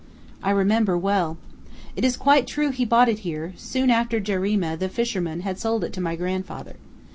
"I remember well. It is quite true he bought it here, soon after Jarima, the fisherman, had sold it to my grandfather.